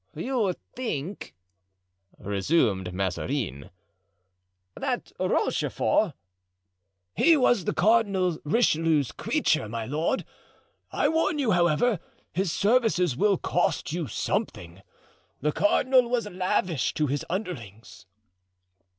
"You think," resumed Mazarin, "that Rochefort——" "He was Cardinal Richelieu's creature, my lord. I warn you, however, his services will cost you something. The cardinal was lavish to his underlings."